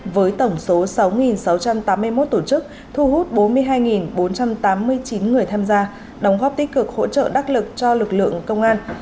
với tổng số sáu sáu trăm tám mươi một tổ chức thu hút bốn mươi hai bốn trăm tám mươi chín người tham gia đóng góp tích cực hỗ trợ đắc lực cho lực lượng công an